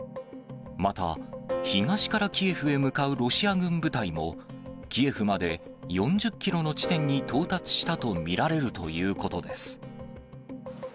また、東からキエフへ向かうロシア軍部隊も、キエフまで４０キロの地点に到達したと見られるということです。